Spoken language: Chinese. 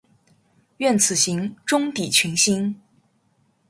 愿此行，终抵群星。